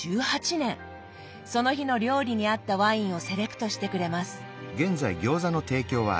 その日の料理に合ったワインをセレクトしてくれます。